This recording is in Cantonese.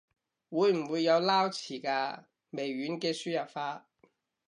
會唔會有撈詞㗎？微軟嘅輸入法